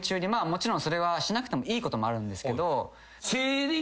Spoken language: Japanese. もちろんそれはしなくてもいいこともあるんですけど。